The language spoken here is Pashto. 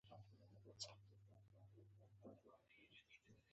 زه پادري ته مسکی شوم.